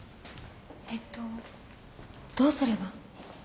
えっとどうすれば？